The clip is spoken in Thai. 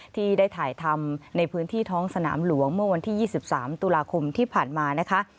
ที่ได้ถ่ายทำในพื้นที่ท้องสนามหลวงเมื่อวันที่๒๓ตุลาคมที่ผ่านมานะคะ